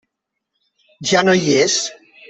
Ja no hi és.